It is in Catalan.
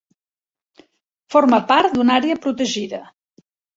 Forma part d'una àrea protegida.